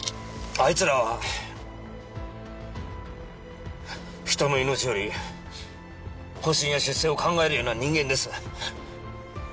あいつらは人の命より保身や出世を考えるような人間です。